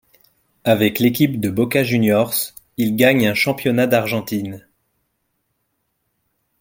Avec l'équipe de Boca Juniors, il gagne un championnat d'Argentine.